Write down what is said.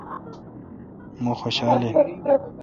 مہ خوشال این۔